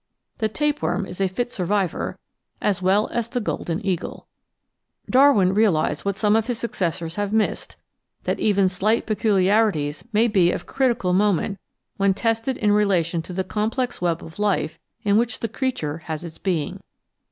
The tapeworm is a fit survivor as well as the Golden Eagle. Darwin realised what some of his successors have missed, that even slight peculiarities may be of critical moment when tested in relation to the complex web of life in which the creature has its being.